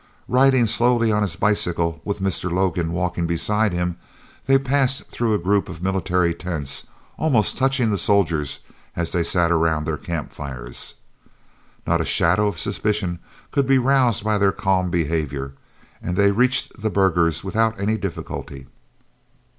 Riding slowly on his bicycle, with Mr. Logan walking beside him, they passed through a group of military tents, almost touching the soldiers as they sat around their camp fires. Not a shadow of suspicion could be roused by their calm behaviour, and they reached the burghers without any difficulty.